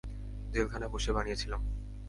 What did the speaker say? জেলখানায় বসে বানিয়েছিলাম।